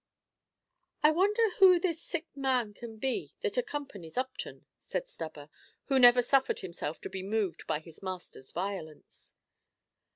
"I wonder who this sick man can be that accompanies Upton," said Stubber, who never suffered himself to be moved by his master's violence.